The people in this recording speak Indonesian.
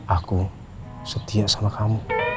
aku setia sama kamu